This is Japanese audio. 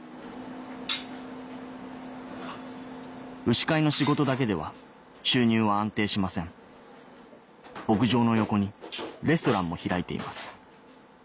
牛飼いの仕事だけでは収入は安定しません牧場の横にレストランも開いています